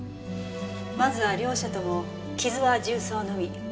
まずは両者とも傷は銃創のみ。